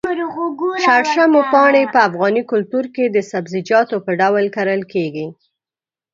شړشمو پاڼې په افغاني کلتور کې د سبزيجاتو په ډول کرل کېږي.